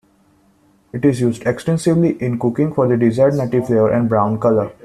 It is used extensively in cooking for the desired nutty flavor and brown color.